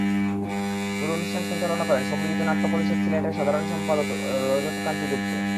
পুরো অনুষ্ঠান সঞ্চালনা করেন সম্মিলিত নাট্য পরিষদ সিলেটের সাধারণ সম্পাদক রজতকান্তি গুপ্ত।